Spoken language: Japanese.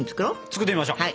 作ってみましょう。